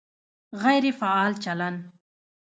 غیر فعال چلند